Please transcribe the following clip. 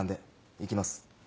いきます